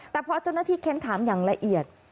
แต่พอเจ้าหน้าที่เค้นถามอย่างละเอียด